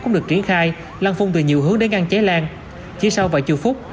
cũng được triển khai lan phun từ nhiều hướng để ngăn cháy lan chỉ sau vài chư phút